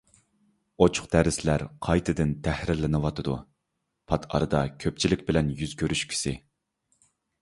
ئوچۇق دەرسلەر قايتىدىن تەھرىرلىنىۋاتىدۇ. پات ئارىدا كۆپچىلىك بىلەن يۈز كۆرۈشكۈسى!